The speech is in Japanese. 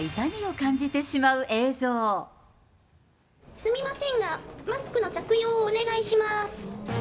すみませんが、マスクの着用をお願いしまーす。